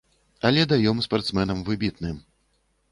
Але даём спартсменам выбітным.